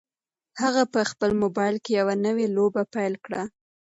هغه په خپل موبایل کې یوه نوې لوبه پیل کړه.